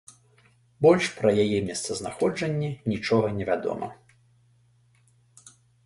Больш пра яе месцазнаходжанне нічога не вядома.